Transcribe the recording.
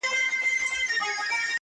خوشحال په دې دى چي دا ستا خاوند دی.